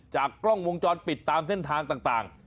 กล้องวงจรปิดตามเส้นทางต่าง